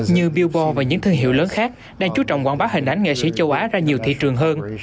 như bewbo và những thương hiệu lớn khác đang chú trọng quảng bá hình ảnh nghệ sĩ châu á ra nhiều thị trường hơn